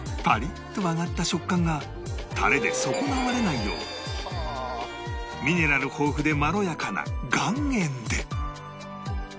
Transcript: パリッと揚がった食感がタレで損なわれないようミネラル豊富でまろやかな岩塩で